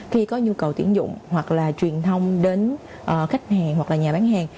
khi có nhu cầu tuyển dụng hoặc là truyền thông đến khách hàng hoặc là nhà bán hàng